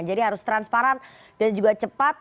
jadi harus transparan dan juga cepat